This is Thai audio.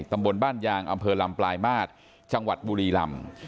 ตำบลบ้านยางอำเภอลำปลายมาตรจังหวัดบุรีลำ